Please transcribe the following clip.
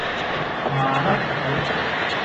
麻甩佬